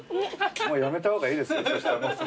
もうやめた方がいいですよ。